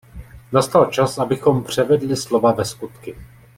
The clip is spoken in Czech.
Nastal čas, abychom převedli slova ve skutky.